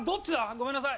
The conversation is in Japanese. ごめんなさい。